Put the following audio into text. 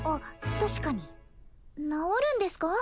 確かに治るんですか？